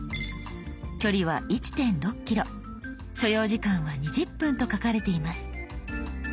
距離は１．６ｋｍ所要時間は２０分と書かれています。